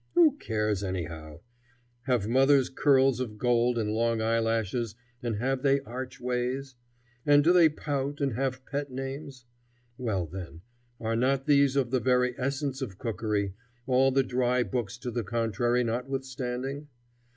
Who cares, anyhow? Have mothers curls of gold and long eyelashes, and have they arch ways? And do they pout, and have pet names? Well, then, are not these of the very essence of cookery, all the dry books to the contrary notwithstanding?